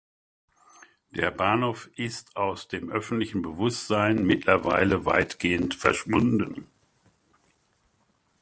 Der Bahnhof ist aus dem öffentlichen Bewusstsein mittlerweile weitgehend verschwunden.